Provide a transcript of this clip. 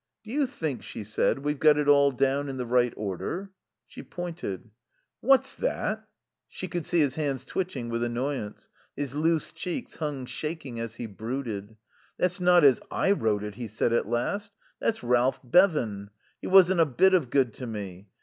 "Do you think," she said, "we've got it all down in the right order?" She pointed. "What's that?" She could see his hands twitching with annoyance. His loose cheeks hung shaking as he brooded. "That's not as I, wrote it," he said at last. "That's Ralph Bevan. He wasn't a bit of good to me.